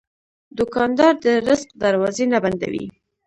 دوکاندار د رزق دروازې نه بندوي.